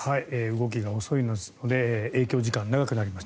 動きが遅いので影響時間、長くなります。